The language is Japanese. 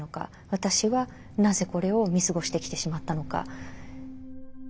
私はなぜこれを見過ごしてきてしまったのか。